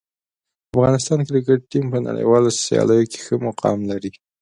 افغانستان کرکټ ټیم په نړیوالو سیالیو کې ښه مقام لري.